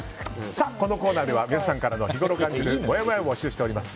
このコーナーでは皆さんから日ごろ感じるもやもやを募集しております。